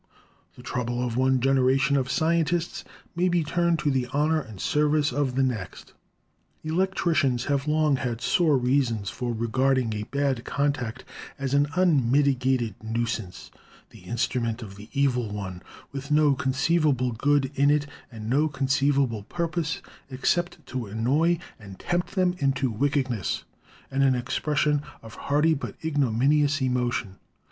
The trouble of one generation of scientists may be turned to the honor and service of the next. Electricians have long had sore reasons for regarding a 'bad contact' as an unmitigated nuisance, the instrument of the evil one, with no con ceivable good in it, and no conceivable purpose except to annoy and tempt them into wickedness and an ex pression of hearty but ignominious emotion.